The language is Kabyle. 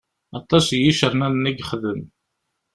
Aṭas n yicernanen i ixedem.